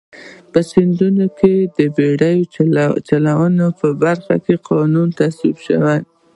په سیند کې د بېړۍ چلونې په برخه کې قانون تصویب کړ.